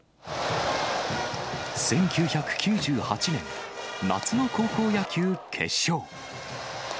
１９９８年、夏の高校野球決勝。